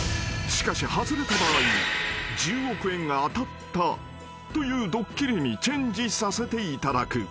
［しかし外れた場合１０億円が当たったというドッキリにチェンジさせていただく］